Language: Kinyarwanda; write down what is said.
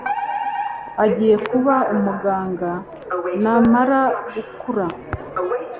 Agiye kuba umuganga namara gukura.